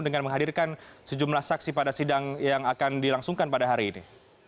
dengan menghadirkan sejumlah saksi pada sidang yang akan dilangsungkan pada hari ini